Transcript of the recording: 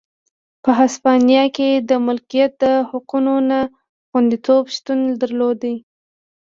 په هسپانیا کې د مالکیت د حقونو نه خوندیتوب شتون درلود.